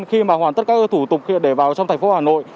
khi mà hoàn tất các thủ tục để vào trong thành phố hà nội